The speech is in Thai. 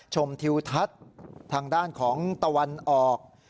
ชมทิวทัศน์ทางด้านของตะวันออก